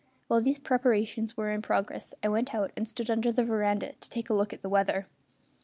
While these preparations were in progress I went out and stood under the veranda to take a look at the weather.